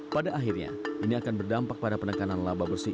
pada akhirnya ini akan berdampak pada penekanan laba bersih